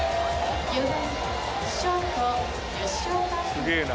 すげえな。